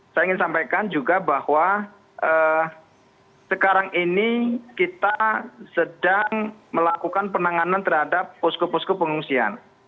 saya ingin sampaikan juga bahwa sekarang ini kita sedang melakukan penanganan terhadap posko posko pengungsian